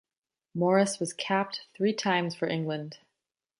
Morris was capped three times for England.